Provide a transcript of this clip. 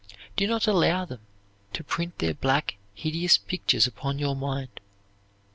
Do not allow them to print their black hideous pictures upon your mind.